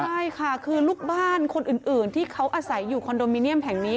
ใช่ค่ะคือลูกบ้านคนอื่นที่เขาอาศัยอยู่คอนโดมิเนียมแห่งนี้